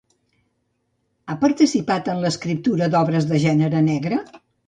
Ha participat en l'escriptura d'obres de gènere negre?